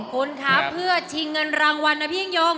คุณคะเพื่อชิงเงินรางวัลนะพี่ยิ่งยง